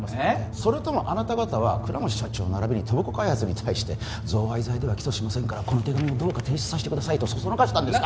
それともあなた方は倉持社長ならびに戸部子開発に対して「贈賄罪では」「起訴しませんからこの手紙をどうか提出させてください」とそそのかしたんですか？